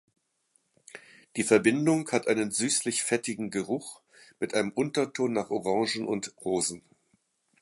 Die Verbindung hat einen süßlich fettigen Geruch mit einem Unterton nach Orangen und Rosen.